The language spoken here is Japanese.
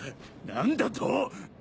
何だと？